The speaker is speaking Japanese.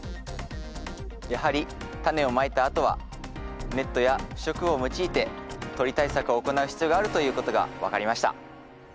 やはりタネをまいたあとはネットや不織布を用いて鳥対策を行う必要があるということが分かりました。